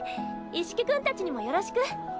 一色君達にもよろしく。